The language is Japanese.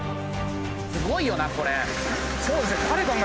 すごいよなこれ。